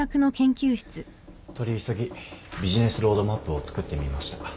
取り急ぎビジネスロードマップを作ってみました。